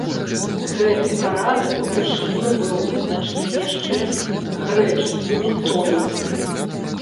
Гэты парадак упершыню быў вызначаны яшчэ грэчаскімі стоікамі.